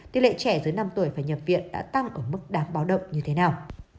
tỷ lệ trẻ dưới năm tuổi phải nhập viện đã tăng ở mức đáng báo động như thế nào